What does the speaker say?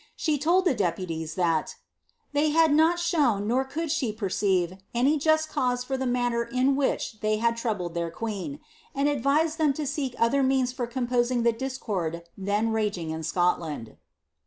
She told the deputies that *^ they had not ihown, nor could she perceive, any just cause for the manner in which they had troubled their queen ; and advised them to seek other means for composing the discord then raging in Scotland."